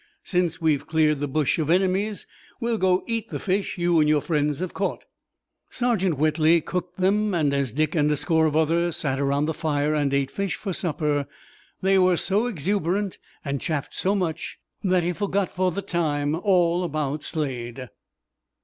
Since we've cleared the bush of enemies we'll go eat the fish you and your friends have caught." Sergeant Whitley cooked them, and, as Dick and a score of others sat around the fire and ate fish for supper, they were so exuberant and chaffed so much that he forgot for the time all about Slade.